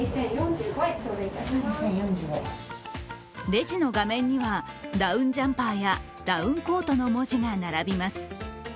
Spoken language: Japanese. レジの画面にはダウンジャンパーやダウンコートの文字が並びます。